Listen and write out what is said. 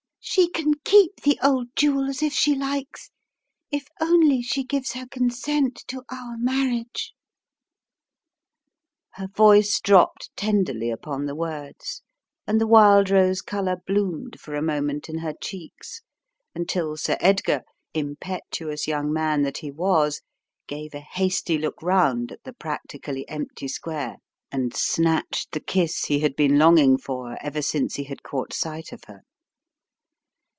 "She can keep the old jewels if she likes, if only she gives her consent to our marriage." Her voice dropped tenderly upon the words, and the wild rose colour bloomed for a moment in her cheeks until Sir Edgar, impetuous young man that he was, gave a hasty look round at the practically empty square and snatched the kiss he had been longing for ever since he had caught sight of her.